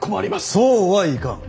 そうはいかん。